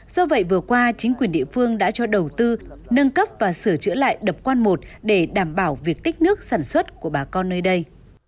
do vậy vừa qua chính quyền địa phương đã cho đầu tư nâng cấp và sửa chữa lại đập quan một để đảm bảo việc tích nước sản xuất của bà con nơi đây